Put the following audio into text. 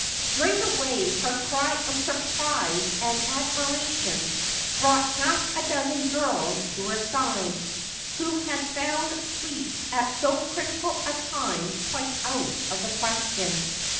Straightway her cry of surprise and admiration brought half a dozen girls to her side, who had found sleep at so critical a time quite out of the question.